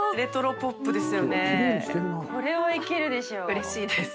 うれしいです。